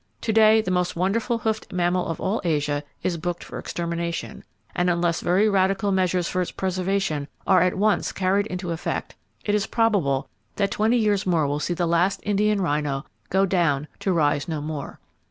To day, the most wonderful hoofed mammal of all Asia is booked for extermination, and unless very radical measures for its preservation are at once carried into effect, it is probable that twenty years more will see the last Indian rhino go down to rise no more.